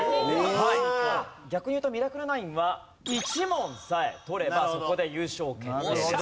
逆に言うとミラクル９は１問さえ取ればそこで優勝決定です。